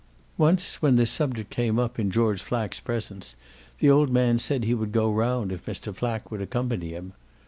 Once when this subject came up in George Flack's presence the old man said he would go round if Mr. Flack would accompany him.